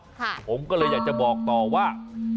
ผมก็เลยอยากจะบอกต่อว่า